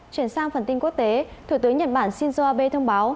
chuyển sang phần tin quốc tế thủ tướng nhật bản shinzo abe thông báo